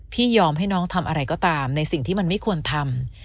ยอมให้น้องทำอะไรก็ตามในสิ่งที่มันไม่ควรทำ